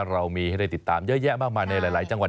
เรามีให้ได้ติดตามเยอะแยะมากมายในหลายจังหวัด